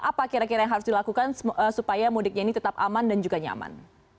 apa kira kira yang harus dilakukan supaya mudiknya ini tetap aman dan juga nyaman